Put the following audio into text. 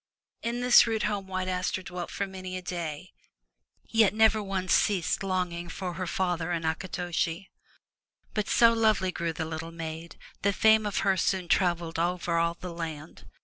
In this rude home White Aster dwelt for many a day, yet never once ceased longing for her father and Akitoshi. But so lovely grew the little maid, that fame of her soon traveled over all the land.